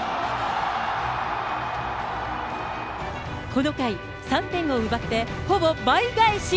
この回、３点を奪ってほぼ倍返し。